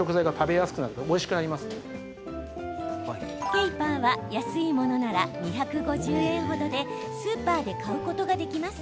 ケイパーは安いものなら２５０円程でスーパーで買うことができます。